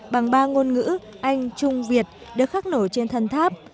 bằng ba ngôn ngữ anh trung việt được khắc nổi trên thân tháp